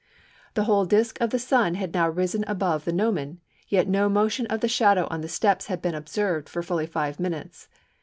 _The whole disc of the sun had now risen above the gnomon, yet no motion of the shadow on the steps had been observed for fully five minutes.